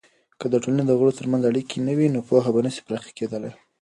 که د ټولني دغړو ترمنځ اړیکې نه وي، نو پوهه به نسي پراخه کیدلی.